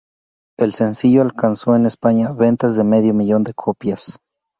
El sencillo alcanzó en España ventas de medio millón de copias.